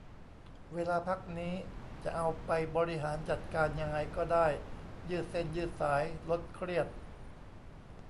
เวลาพักนี้จะเอาไปบริหารจัดการยังไงก็ได้ ยืดเส้นยืดสาย ลดเครียด